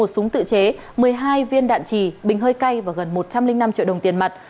một súng tự chế một mươi hai viên đạn trì bình hơi cay và gần một trăm linh năm triệu đồng tiền mặt